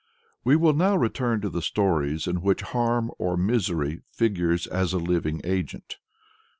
We will now return to the stories in which Harm or Misery figures as a living agent.